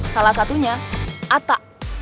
salah satunya ata